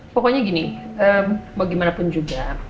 pokoknya gini mau gimana pun juga